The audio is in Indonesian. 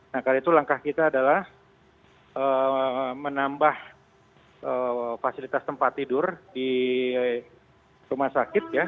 nah karena itu langkah kita adalah menambah fasilitas tempat tidur di rumah sakit ya